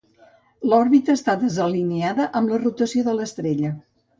L'òrbita està desalineada amb la rotació de l'estrella.